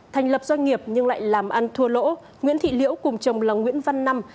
thành lập doanh nghiệp nhưng lại làm ăn thua lỗ nguyễn thị liễu cùng chồng là nguyễn văn năm